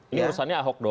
ini urusannya ahok doang